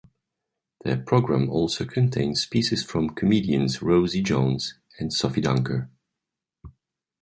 The programme also contains pieces from comedians Rosie Jones and Sophie Dunker.